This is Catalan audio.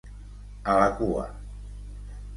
A la cua.